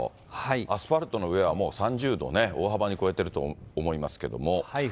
アスファルトの上はもう３０度ね、大幅に超えてると思いますけどね。